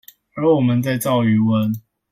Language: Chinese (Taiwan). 而我們在造魚塭